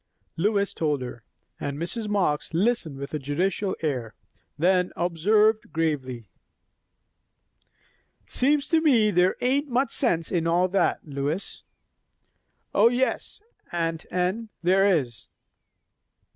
Lois told her, and Mrs. Marx listened with a judicial air; then observed gravely, "'Seems to me, there ain't much sense in all that, Lois." "O, yes, aunt Anne! there is."